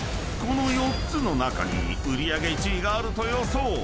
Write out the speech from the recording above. ［この４つの中に売り上げ１位があると予想］